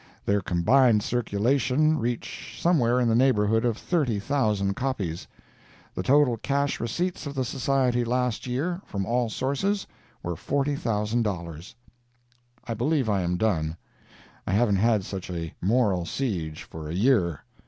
Their combined circulations reach somewhere in the neighborhood of 30,000 copies. The total cash receipts of the Society last year, from all sources, were $40,000. I believe I am done. I haven't had such a moral siege for a year.